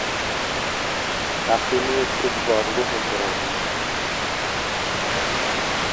তাকে নিয়ে খুব গর্ব হত আমার।